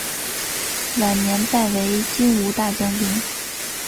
晚年拜为金吾大将军。